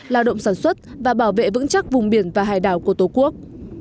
lao động sản xuất và bảo vệ vững chắc vùng biển và hải đảo của tổ quốc